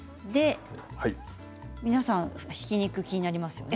皆さん、ひき肉気になりますよね。